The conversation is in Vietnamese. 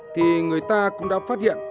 thì người ta cũng đã phát hiện